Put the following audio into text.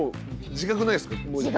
自覚ないです。